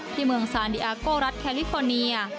ที่เมืองซานดีอาโก้รัฐแคลิฟอร์เนีย